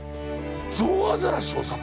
ゾウアザラシをさ